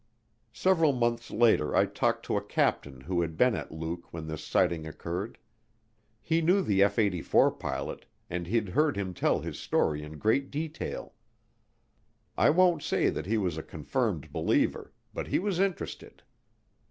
Several months later I talked to a captain who had been at Luke when this sighting occurred. He knew the F 84 pilot and he'd heard him tell his story in great detail. I won't say that he was a confirmed believer, but he was interested.